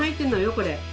これ。